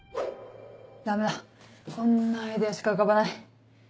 ダメだこんなアイデアしか浮かばない。